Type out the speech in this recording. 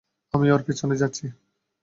আমি ওর পিছনে যাচ্ছি।